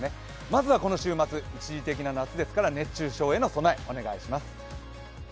まずはこの週末、一時的な夏ですから熱中症への備えをお願いします。